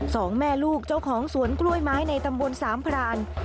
สองแม่ลูกเจ้าของสวนกล้วยไม้ในตำบลสามพราน